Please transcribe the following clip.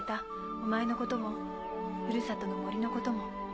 お前のこともふるさとの森のことも。